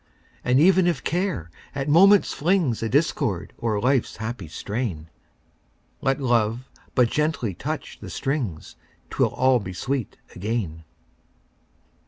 And even if Care at moments flings A discord o'er life's happy strain, Let Love but gently touch the strings, 'Twill all be sweet again!